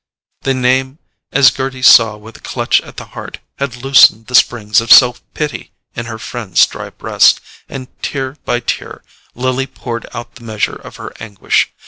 The name, as Gerty saw with a clutch at the heart, had loosened the springs of self pity in her friend's dry breast, and tear by tear Lily poured out the measure of her anguish.